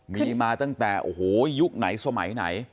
มีมาตั้งแต่โอ้โหยุคไหนสมัยไหน